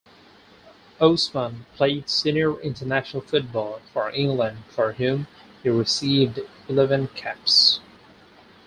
Osman played senior international football for England, for whom he received eleven caps.